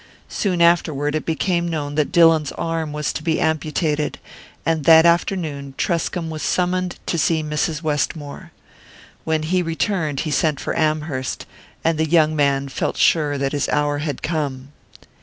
Soon afterward, it became known that Dillon's arm was to be amputated, and that afternoon Truscomb was summoned to see Mrs. Westmore. When he returned he sent for Amherst; and the young man felt sure that his hour had come.